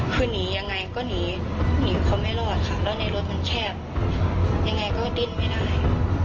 คือนียังไงก็หนีเขาไม่รอดแล้วในรถมันแชบยังไงก็ดึงไม่ได้